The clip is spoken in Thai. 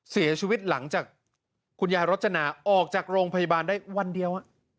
เสียชีวิตหลังจากคุณยายรจนาออกจากโรงพยาบาลได้วันเดียว